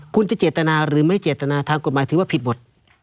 คุณจะเจตนาหรือไม่เจตนาทางกฎหมายถือว่าผิดหมด